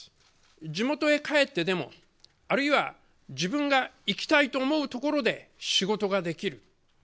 地元へ帰ってでも、あるいは自分が行きたいと思うところで仕事ができる。